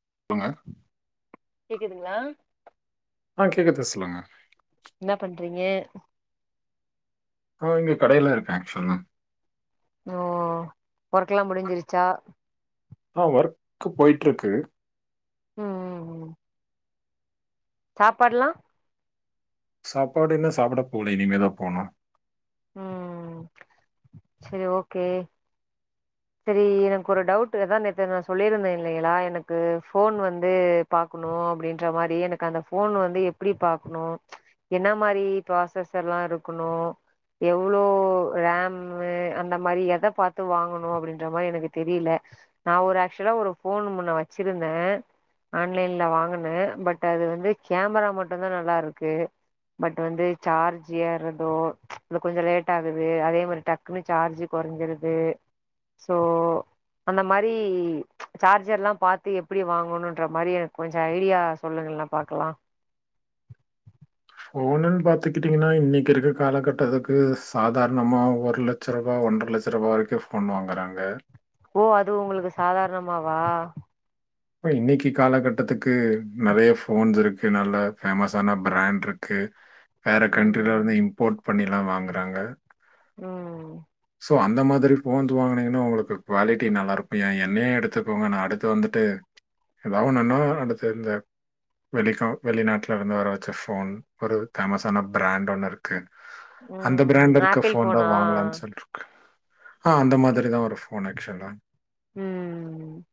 [unintelligible] கேக்குதுங்களா ஆ கேக்குதுஸ்லுங்க ன்ன பண்றீங்க ஆ இங்க கடைல இருக்கன் ஆக்ஷ்வலா ஓ ஒர்க்லா முடுஞ்சிருச்சா ஆ ஒர்க்கு போயிட்ருக்கு ம் ம் ம் சாப்பாட்லா சாப்பாடு இன்ன சாப்பட போல் இனிமேதா போனு ம் செரி ஓகே செரி எனக்கு ஒரு டவுட் ஆதா நேத்து நா சொல்லிருந்தே இல்லைகளா எனக்கு ஃபோன் வந்து பாக்கணு னு அப்டின்ற மாரி எனக்கு அந்த ஃபோன் வந்து எப்டி பாக்னு என்ன மாரி பிராசஸ் எல்லா இரு குனு எவ்ளோ ரேம் அந்த மாரி எத பாத்து வாங்கணு அப்டின்ற மாரி எனக்கு தெரியில நா ஒரு ஆக்சுலா ஒரு ஃபோன் முன்ன வச்சிருந்தே ஆன்லைன்ல வாங்கன பட் அது வந்து கேமரா மட்டு தா நல்லாருக்கு பட் வந்து சார்ஜ் ஏறதோ அது கொஞ்சோ லேட் ஆகுது அதே மாரி டக்குன்னு சார்ஜி கொறஞ்சிருது சோ அந்த மாரி சார்ஜர்லா பாத்து எப்டி வாங்கனுன்ற மாரி எனக் கொஞ்ச ஐடியா சொல்லனு ஃபுல்லா பாக்கலா ஃபோனுன் பாத்துக்கிட்டீங்னா இன்னைக்கு இருக்க கால கட்டத்துக்கு சாதாரணமா ஒரு லட்ச ரூவா ஒன்ற லட்ச ரூபா வரைக்கு ஃபோன் வாங்குறாங்க ஓ அது உங்களுக்கு சாதாரணமாவா இப்ப இன்னிக்கு காலகட்டத்துக்கு நெறைய ஃபோன்ஸ் இருக்கு நல்ல பேமஸான பிராண்ட்ருக் கு வேற கண்ட்ரில ம் இருந்து இம்போட் பண்ணிலா வாங்குறாங்க ம் சோ அந்த மாதிரி ஃபோன்ஸ் வாங்குனிங்னா உங்களுக்கு குவாலிட்டி நல்லாருக்கு ஏ என்னயே எடுத்துகோங்க நா அடுத்து வந்துட்டு ஏதா ஒன்னுனா அந்த செல்ல வெளிக்கா வெளிநாட்லருந்து வர வச்ச ஃபோன் ஒரு பேமஸான பிராண்ட் ஒண்ணுருக்கு அந்த பிராண்ட் ம் இருக்க ஆப்பிள் ஃபோன் தா ஃபோனா வாங்கலான் சொல்ட்ருக்கு ஆ அந்த மாதிரி தா ஒரு ஃபோன் ஆக்சுலா ம் ம்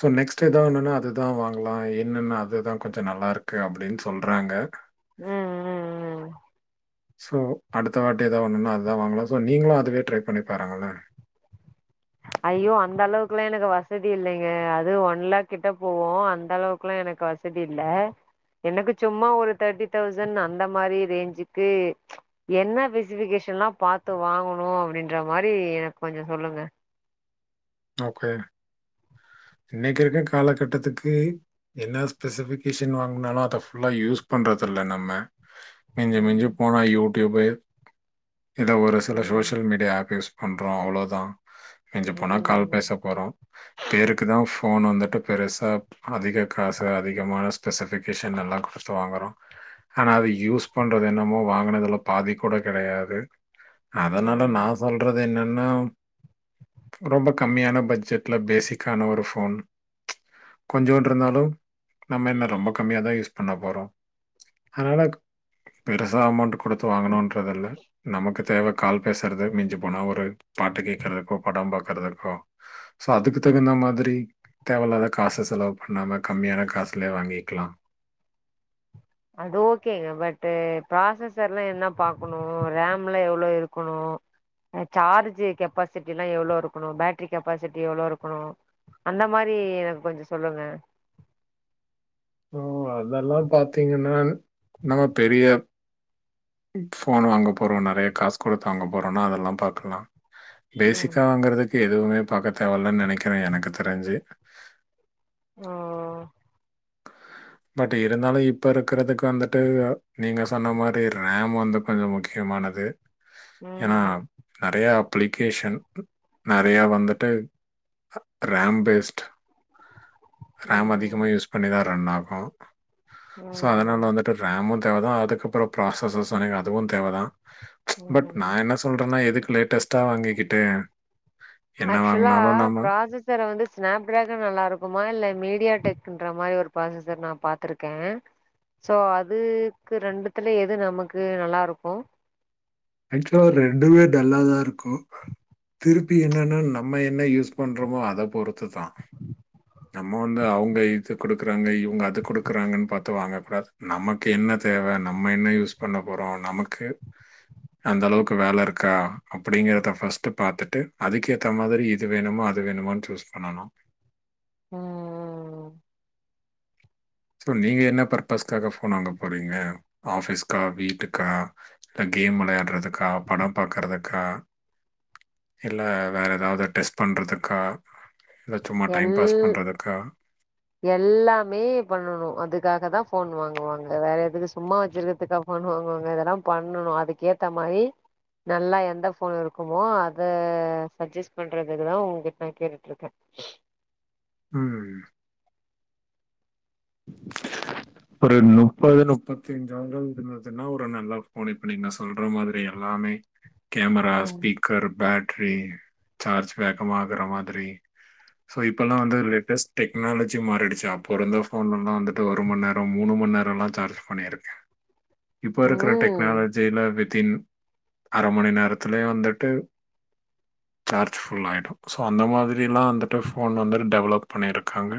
சோ நெக்ஸ் ட் எதா ஒன்னுனா அதுதா வாங்கலா என்னென்னா அதுதா கொஞ்ச நல்லாருக்கு அப்டின் சொல்றாங்க ம் ம் ம் சோ அடுத்த வாட்டி எதா ஒண்ணுனா அதா வாங்கலா சோ நீங்களு அதுவே ட்ரை பண்ணி பாருங்களே ஐயோ அந்த அளவுக்குல்லா எனக்கு வசதி இல்லைங்க அது ஒன்லேக் கிட்ட போவு அந்த அளவுக்ல்லா எனக் கு வசதி இல்ல எனக்கு சும்மா ஒரு தேட்டி தௌசண் அந்த மாரி ரேஞ்சுக்கு என்ன பெசிபிகேஷ் ஷன்லா பாத்து வாங்கனு அப்படின்ற மாரி எனக் கொஞ்ச சொல்லுங்க ஓகே இன்னைக்கு இருக்க கால கட்டத்துக்கு என்ன ஸ்பெசிபிகேஷன் வாங்குனாலு அத ஃபுல்லா யூஸ் பண்றதா இல்ல நம்ம மிஞ்சி ம் மிஞ்சு போனா யூடியூப்பு இத ஒரு சில ம் சோசியல் மீடியா ஆப் யூஸ் பண்றோ அவ்ளோதா மிஞ்சி போனா கால் ம் பேச போறோ பேருக்கு தா ஃபோன் வந்துட் இப்ப பெருசா அதிக காசு அதிகமான ஸ்பெசிபிகேஷன் நல்லா கொட்து வாங்குறோ ஆனா அது யூஸ் பண்றதென்னமோ வாங்கனதுல பாதி கூட கெடையாது அதனால ம் நா சொல்றது என்னன்னா ரொம்ப கம்மியான பட்ஜெட்ல ஃபேசிக்கான ஒரு ஃபோன் கொஞ்சோண்ட்ருந்தாலு நம்ம என்ன ரொம்ப கம்மியா தா யூஸ் பண்ண போறோ அனலாக் பெருசா அமௌண்ட் குடுத்து வாங்கனுன்றதில்ல நமக்கு தேவ கால் பேஸ்றது மிஞ்சி போனா ஒரு பாட்டு கேக்கறக்கோ படம் பாக்கறதுக்கோ சோ அதுக்கு தகுந்த மாதிரி தேவல்லாத காசு செலவு பண்ணாம கம்மியான காஸ்லேயே வாங்கிக்லா அது ஓகேங்க பட்டு் ப்ராசசர் எல்லா என்ன பாக்கணு ரேம்லா எவ்ளோ இருக்குனு அ சார்ஜி கெப்பாசிட்டில்லா எவ்ளோ இருக்குனு பேட்ரி கெப்பாசிட்டி எவ்ளோ இருக்குனு அந்த மாரி டி எனக்கு கொஞ்ச சொல்லுங்க ஓ அதெல்லா பாத்தீங்கன்னா நம்ம பெரிய ஃபோன் வாங்க போறோ நெறைய காஸ் குடுத்து வாங்க போறோனா அதெல்லா பாக்லா ம் பேசிக்காங்கறதுக்கு எதுவுமே பாக்க தேவலன்னு நெனைக்குறே எனக்கு தெரிஞ்சு ஆ பட் இருந்தாலு இப்ப இருக்கறதுக்கு வந்துட்டு நீங்க சொன்ன மாரி ரேம் வந்து கொஞ்சோ முக்கிய மானது ஏன்னா ம் நெறைய அப்ளிகேஷன் நெறைய வந்துட்டு ரேம் பேஸ்ட் ரேம் ம் அதிகமா யூஸ் பண்ணிதா ரன் ஆகு சோ அதனால ம் வந்துட்டு ரேமு தேவைதா அதுக்கப்புறோ ப்ராசஸர் சொன்னிங்க அதுவு தேவதா பட் நா ம் என்ன சொல்றேன்னா எதுக்கு லேட்டஸ்ட் என்ன ஆக்சுவலா வாங்கினாலும் நம்ம ப்ராசசர் வந்து ஸ்னாப்டிராகன் நல்லா இருக் குமா இல்ல மீடியா டெக்குன்ற மாரி ஒரு ப்ராசசர் நா பாத்துருக்கே சோ அதுக்கு ரெண்டுத்துல எது நமக்கு நல்லா இருக்கு ஆக்சுவலா ரெண்டுமே நல்லாதா இருக்கு திருப்பி என்னன்னு நம்ம என்ன யூஸ் பண்றோமோ அத பொறுத்து தா நம்ம வந்து அவங்க இது கொடுக்குறாங்க இவங்க அது கொடுக்குறாங்கன்னு பத்து வாங்க கூடாது நமக்கு என்ன ன்ன தேவ நம்ம என்ன யூஸ் பண்ண போறோ நமக்கு அந்த அளவுக்கு வேல இருக்கா அப்டிங்கறத ஃபஸ்ட் பாத்தட்டு அதுக்கேத்த மாதிரி இது வேணுமா அது வேணுமானு சூஸ் பண்ணனு ம் ம் ம் சோ நீங்க என்ன பர்பஸ்க்காக ஃபோன் வாங்க போறீங்க ஆஃபீஸ்க்கா வீட்டுக்கா அ கேம் வெளையாடுறதுக்கா பட பாக்கறதுக்கா இல்ல வேற ஏதாவது டெஸ்ட் பண்றதுக்கா இல்லை சும்மா டைம் எல் பாஸ் பண்றதுக்கா எல்லாமே பண்ணணு அதுக்காதா ஃபோன் வாங்குவாங்க வேற எதுக்கு சும்மா வெச்சிருக்குறதுக்க ஃபோன் வாங்குவாங்க இதெல்லா பண்ணணு அதுக்கேத்த மாரி நல்லா எந்த ஃபோன் இருக்குமோ அத சஜெஸ்ட் பண்றதுக்குதா உங்க்கிட்ட நா கேட்டுட்டு இருக்கே ம் ஒரு நுப்பது நுப்பத்தி அஞ்சாயிரோ இருந்துச்சுன்னா ஒரு நல்லா ஃபோன் இப்ப நீங்க சொல்ற மாதிரில்லா எல்லாமே கேமரா ம் ஸ்பீக்கர் பேட் ட்ரி சார்ஜ் வேகமா ஆகுற மாதிரி சோ இப்பெல்லா வந்து லேட்டஸ்ட் டெக்னாலஜி மாறிடுச்சு அப்போ இருந்த ஃபோன் எல்லா வந்துட்டு ஒரு மணி நேரோ மூணு மணி நேரோலா சார்ஜ் பண்ணியிருக்கே இப்ப இருக்குற ம் டெக்னாலஜியில வி தின் அர மணி நேரத்துலயே வந்துட்டு சார்ஜ் ஃபுல் ஆயிடு சோ அந்த மாதிரிலா வந்துட்டு ஃபோன் வந்து டெவலப் பண்ணியிருக்காங்க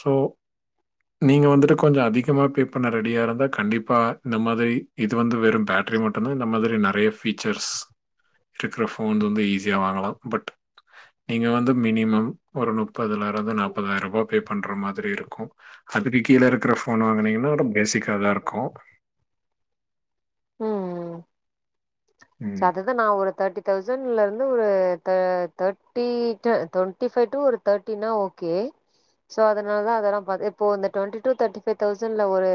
சோ நீங்க வந்துட்டு கொஞ்சோ அதிகமா பே பண்ண ரெடியா இருந்தா கண்டிப்பா இந்த மாதிரி இது வந்து வெறு பேட்ரி மட்டுதா இந்த மாதிரி நெறைய ஃபீச்சர்ஸ் இருக்குற ஃபோன் வந்து ஈஸியா வாங்கலா பட் நீங்க வந்து மினிமம் ஒரு நுப்பதுல இருந்து நாப்பதாயிர ரூபா பே பண்ற மாதிரி இருக் கு அதுக்கு கீழே இருக்குற ஃபோன் வாங்கனீங்கன்னா வெரொ பேசிக்கா தா இருக்கு ம் சோ ம் அததா நா ஒரு தேர்ட்டி தௌசண்ட்ல இருந் து ஒரு த thirty two twenty five two ஒரு தேர்ட்டி நா ஓகே சோ அதனாலதா அதெல்லா பா இப்போ டொன்டி டூ தேர்டி ஃபைவ் தௌசண்ட்ல ஒரு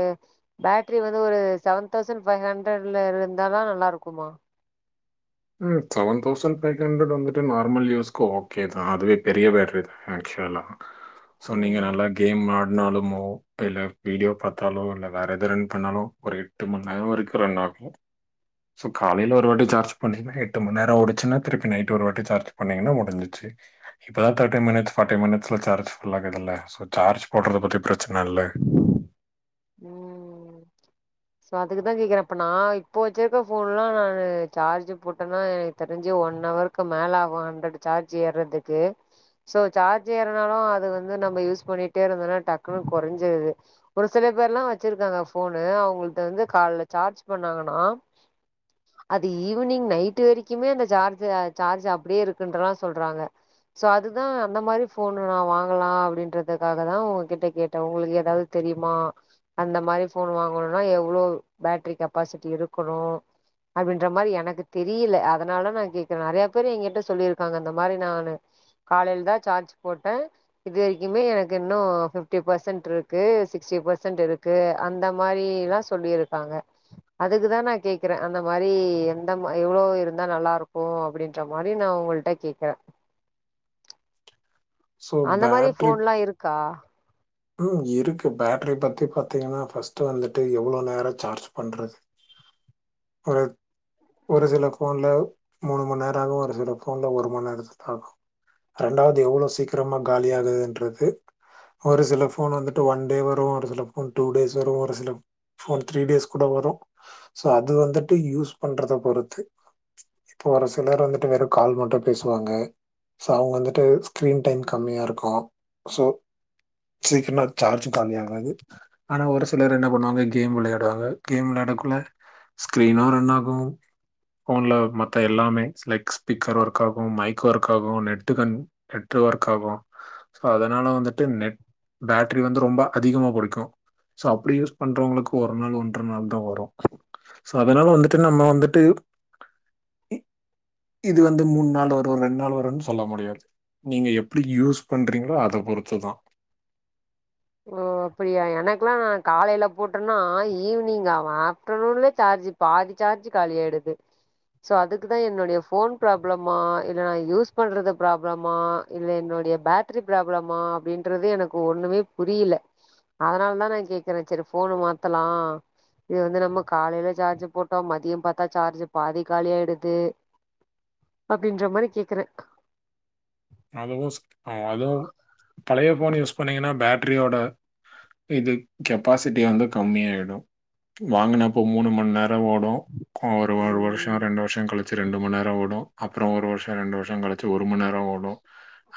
பேட்ரி வந்து ஒரு செவன் தௌசண்ட் ஃபைவ் ஹண்ட்ரட்ல இருந்தாதா நல்லா இருக்குமா ம் செவன் தௌசண்ட் ஃபைவ் ஹண்டரட் வந்துட்டு நார்மல் யூஸ்கு ஓகே தா அதுவே பெரிய பேட்ரி தா ஆக்சுவலா சோ நீங்க ம் நல்லா கேம் ஆ நாலுமோ இல்ல வீடியோ பாத்தாலோ இல்ல வேற எது ரன் பண்ணாலு ஒரு எட்டு மண் நேரோ வரைக்கு ரன் ஆ கு சோ காலையில ஒரு வாட்டி சார்ஜ் பண்ணீங்கன்னா எட்டு மண் நேரோ ஓடுச்சின்னா திருப்பி நைட்டு ஒரு வாட்டி சார்ஜ் பண்ணீங்கன்னா முடிஞ்சிச்சு இப்பதா தேட்டி மினிட்ஸ் பாட்டி மினிட்ஸ்ல சார்ஜ் ஃபுல் ஆகுதுல சோ‌ சார்ஜ் போட்றத பத்தி ப்ரெச்சன இல்ல ம் சோ அதுக்குதா கேக்குற இப்ப நா இப்போ வெச்சிர்க்க ஃபோன்லா நானு சார்ஜு போட்டனா எனக்கு தெரிஞ்சி ஒன் அழருக்கு மேல ஆகு ஹண்ரட் சார்ஜி ஏறதுக்கு சோ சார்ஜ் ஏறனாலு அது வந்து நம்ப யூஸ் பண்ணிட்டே இருந்தோனா டக்குனு கொறஞ்சிடுது ஒரு சில பேர்லா வெச்சிருக்காங்க போனு அவ்ங்குள்து வந்து கால்ல சார்ஜ் பண்ணாங்கனா அது ஈவினிங் நைட்டு வரிக்குமே அந்த சார்ஜு அ சார்ஜ் அப்டியே ருக்குன்றலா சொல்றாங்க சோ அதுதா அந்த மாரி ஃபோனு நா வாங்கலா அப்டின்றதுக்காக தா உங் கிட்ட கேட்ட உங்குளுக்கு எதாவ்து தெரியு மா அந்த மாரி ஃபோனு வாங்கணுனா எவ்ளோ பேட்ரி கெப்பாசிட்டி இருக்குனோ அப்டின்ற மாரி எனக்கு தெரியல அதனால நா கேக்குறே நெறைய பேரு எங்கிட்ட சொல்லியிருக்காங்க அந்த மாரி நானு காலைல் தா சார்ஜ் போட்டே இது வெரிக்குமே எனக்கு இன்னு ஃபிப்டி பெசன்ட்ருக்கு சிக் ஸ்டி பெசன்ட் இருக்கு அந்த மாரி ல்லா சொல்லிருக்காங்க அதுக்குதா நா கேக்குறே அந்த மா ரி எந்த எவ்ளோ இருந்தா நல்லாருக்கு அப்டின்ற மாரி நா உங்குள்ட்ட கேக்குற ஸோ அந்த மாரி பேட்டரி ஃபோன்ல்லா இருக்கா ம் இருக்கு பேட்ரி பத்தி பாத்தீங்ன்னா ஃபஸ்டு வந்துட்டு எவ்ளோ நேரோ சார்ஜ் பண்றது ஒரு ஒரு சில ஃபோன்ல மூணு மண் நேரோ ஆகு ஒரு சில ஃபோன்ல ஒரு மண் நேரத் [inaudible] ஆகு ரெண்டாவ்து எவ்ளோ சீக்கிரமா காலியாகுதுன்றது ஒரு சில ஃபோன் வந்துட்டு ஒன்டே வரு ஒரு சில ஃபோன் டூ டேஸ் வரு ஒரு சில ஃபோன் த்ரீ டேஸ் கூட வரு சோ அது வந்துட்டு யூஸ் பண்றத பொறுத்து இப்ப ஒரு சிலர் வந்துட்டு வெறு கால் மட்டு பேசுவாங்க சோ அவ்ங் வந்துட்டு ஸ்கிரீன் டைம் கம்மியாருக்கு சோ சீக்கிர்மா சார்ஜு காலி ஆகாது ஆனா ஒரு சிலர் என்ன பண்ணுவாங்க கேம் விளையாடுவாங்க கேம் விளாட குள்ள ஸ்க்ரினு ரன்னாகு ஃபோன்ல மத்த எல்லாமே ட்ஸ் லைக்ஸ் ஸ்பீக்கர் ஒர்க் ஆகு மைக் ஒர்க் ஆகு நெட்டு க நெட்டு ஒர்க் ஆகு அதனால வந்துட்டு நெட் பேட்ரி வந்து ரொம்ப அதிகமா புடிக்கு சோ அப்படி யூஸ் பண்றவங்களுக் ஒரு நாள் ஒன்ற நாள் தா வரு சோ அதனால வந்துட்டு நம்ம வந்துட்டு இ இது வந்து மூண் நாள் வரு ரெண்டு நாள் வருன் சொல்ல முடியாது நீங்க எப்டி யூஸ் பண்றீங்ளோ அத பொறுத்துதா ஓ அப்படியா எனக்லா நா காலையில போட்டனா ஈவினிங் ஆவு ஆஃப்டர்நூன்ல சா ர்ஜி பாதி சார்ஜி காலியாயிடுது சோ அதுக்குதா என்னுடைய ஃபோன் ப்ராப்ளமா இல்ல நா யூஸ் பண்றது ப்ராப்ளமா இல்ல என்னோ டிய பேட்ரி ப்ராப்ளமா அப்னடின்றது எனக்கு ஒண்ணுமே புரியல அதனால் தா நா கேக்குற செரி ஃபோனு மாத்தலா இது வந்து நம்ம காலையில சார்ஜு போட்டோ மதியம் பாத்தா சார்ஜு பாதி காலியாய்டுது அப்டின்ற மாரி கேக்குற அதுவு செ அதுவு பழைய ஃபோன் யூஸ் பண்ணீங்கன்னா பேட்ரியோட இது கெப்பாசிட்டி வந்து கம்மியாய்டு வாங்குனப்போ மூணு மண் நேர ஓடு அ ஒரு ஒரு வருஷோ ம் ரெண்டு வருஷோ களி ச்சி ரெண்டு மண் நேர ஓடு அப்புறோ ஒரு வர்ஷோ ரெண்டு வர்ஷோ களிச்சி ஒரு மண் நேர ஓடு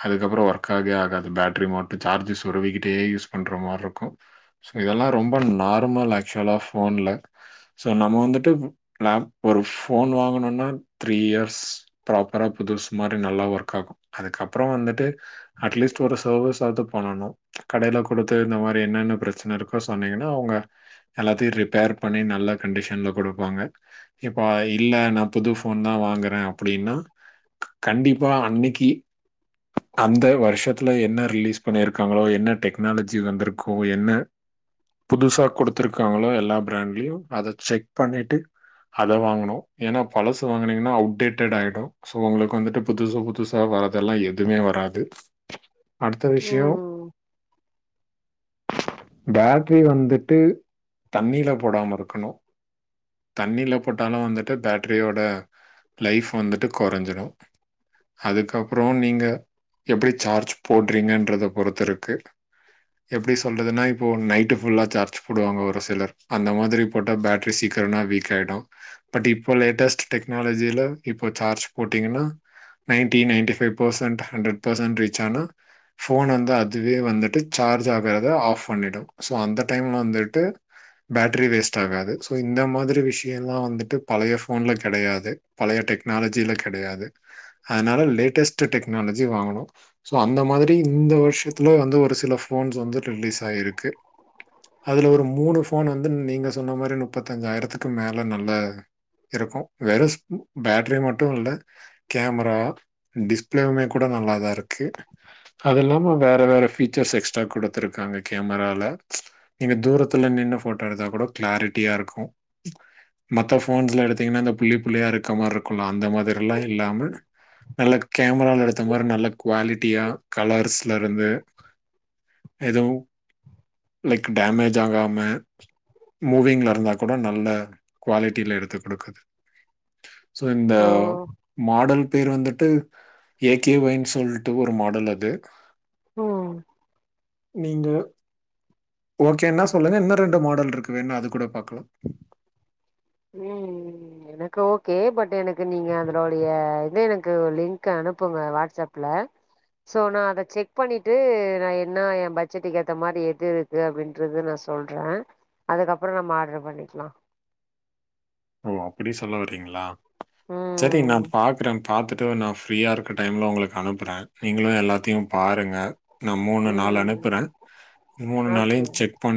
அதுக்கப்புறோ ஒர்க்காக்வே ஆகாது பேட்ரி மொத்த சார்ஜஸ் சொருவிக்கிட்டே யூஸ் பண்ற மார்ருக்கு சோ இதெல்லா ரொம்ப நார்மல் ஆக்சுவலா ஃபோன்ல சோ நம்ம வந்துட்டு [unintelligible] ஒரு ஃபோன் வாங்கணுன்னா த்ரீ யேர்ஸ் ப்ராப்பரா புதுசு மாரி நல்லா ஒர்க் ஆகு அதுக்கப்பறோ வந்துட்டு அட்லீஸ்ட் ஒரு சர்வீஸ்சாவ்து பண்ணனு கடைல குடுத்து இந்த மாரி என்னென்ன பிரச்சன இருக்கோ சொன்னீங்கன்னா அவுங்க எல்லாத்தயு ரிப்பேர் பண்ணி நல்ல கண்டிஷன்ல குடுப்பாங்க இப்ப இல்ல நா புது ஃபோன் தா வாங்கறே அப்டின்னா கண்டிப்பா அன்னைக்கு அந்த வர்ஷத்துல என்ன ரிலீஸ் பண்ணிருக்காங்களோ என்ன டெக்னாலஜி வந்திருக் கோ என்ன புதுசா குடுத்திருக்காங்களா எல்லா பிராண்ட்லியு அத செக் பண்ணிட்டு அத வாங்கனு ஏன்னா பழசு வாங்குனீங்கன்னா அவுட்டேட்டட் ஆயிடு சோ உங்களுக்கு வந்துட்டு புதுசு புதுசா வர இதெல்லா எதுமே வராது அடுத்த விஷ்யோ ம் பேட்ரி வந்துட்டு தண்ணீல போடாம இருக்கனு தண்ணீல போட்டாலு வந்துட்டு பேட்ரியோட லைஃப் வந்துட்டு கொறஞ்சிரு அதுக்கப்றோ நீங்க எப்டி சார்ஜ் போட்றீங்கன்றத பொறுத்துருக்கு எப்டி சொல்றதுன்னா இப்போ நைட்டு ஃபுல்லா சார்ஜ் போடுவாங்க ஒரு சிலர் அந்த மாதிரி போட்ட பேட்ரி சீக் கரனா வீக் ஆயிடு பட் இப்ப லேட்டஸ்ட் டெக்னாலஜில இப்ப சார்ஜ் போட்டீங்கன்னா ninety ninety five percent hundred percent reach ஆனா ஃபோன் வந்து அதுவே வந்துட்டு சார்ஜ் ஆகறத ஆஃப் பண்ணிடு சோ அந்த டைம்ல வந்துட்டு பேட்ரி வேஸ்ட் ஆகாது சோ இந்த மாதிரி விஷ்யல்லா வந்துட்டு பழைய ஃபோன்ல கெடையாது பழைய டெக்னாலஜில கெடையாது அதனால லேட்டஸ் ட்டு டெக்னாலஜி வாங்கனு சோ அந்த மாதிரி இந்த வர்ஷத்துல வந்து ஒரு சில ஃபோன்ஸ் வந்து ரிலீஸ் ஆ யிருக்கு அதுல ஒரு மூனு ஃபோன் வந்து நீங்க சொன்ன மாரி நுப்பத்தஞ்சாயிரத்துக்கு மேல நல்ல இருக்கு வெறு [inaudible] பேட்ரி மட்டு இல்ல கேமரா டிஸ் ப்ளேவுமே கூட நல்லா தா இருக்கு அது இல்லாம வேற வேற ஃபீச்சர்ஸ் எக்ஸ்ட்ரா குடுத்துருக்காங்க கேமரால நீங்க தூரத்துல நின் னு ஃபோட்டோ எடுத்தா கூட கிளாரிட்டியா இருக்கு மத்த ஃபோன்ஸ்ல எடுத்தீங்கன்னா இந்த புள்ளி புள்ளியா இருக்க மார்ருக்குல்ல அந்த மாதிரில்லா இல்லாம நல்ல கேமரால எடுத்த மாரி நல்ல குவாலிட்டியா கலர்ஸ்லருந்து எதுவு லைக் டேமேஜ் ஆகாம மூவிங்ல இருந்தா கூட நல்ல குவாலிட்டில எடுத்து குடுக்குது சோ இந்த ஓ மாடல் பேர் வந்துட்டு ஏ கே ஒய் ன் சொல்ட்டு ஒரு மாடல் அது ம் நீங்க ஓகேன்னா சொல்லுங்க இன்னு ரெண்டு மாடல்ருக்கு வேண்னா அது கூட பாக்கலா ம் எனக்கு ஓகே பட் எனக்கு நீங்க அதுனோடய இது எனக்கு லிங்க்கு அனுப்புங்க வாட்ஸ்அப்ல சோ நா அத செக் பண்ணிட்டு நா என்ன ஏ பட்ஜெட்டுக்கேத்த மாரி எது இருக்கு அப்டின்றது நா சொல்றே அதுக்கப்றோ நம்ம ஆட்ரு பண்ணிக்லா ஓ அப்டி சொல்ல வரீங்ளா செரி நா ம் பாக்கறே பாத்துட்டு நா ஃப்ரீயா இருக்க டைம்ல உங்களுக் அனுப்பறே நீங்களு எல்லாத்தயு பாருங்க நா மூணு, நாலு ம் அனுப்பறே மூணு, ஓகே நாலயு செக் பண்ணி